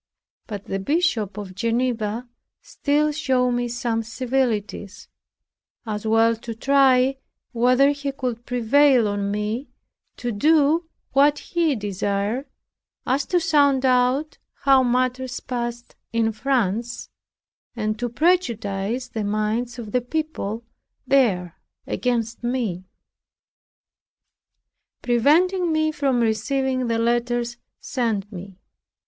But the Bishop of Geneva still showed me some civilities, as well to try whether he could prevail on me to do what he desired, as to sound out how matters passed in France, and to prejudice the minds of the people there against me, preventing me from receiving the letters sent me.